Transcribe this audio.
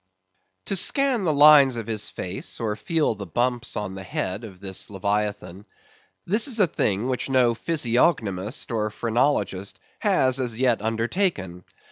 To scan the lines of his face, or feel the bumps on the head of this Leviathan; this is a thing which no Physiognomist or Phrenologist has as yet undertaken.